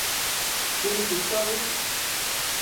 前一工